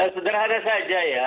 sederhana saja ya